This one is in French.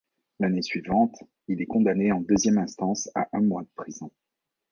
L’année suivante, il est condamné en deuxième instance à un mois de prison.